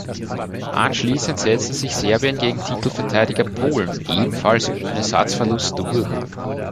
Anschließend setzte sich Serbien gegen Titelverteidiger Polen ebenfalls ohne Satzverlust durch.